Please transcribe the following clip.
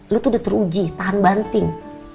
lu tuh udah teruji tahan banting